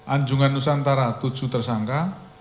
anjunga nusantara tujuh tersangka